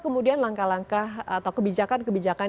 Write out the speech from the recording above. kemudian langkah langkah atau kebijakan kebijakan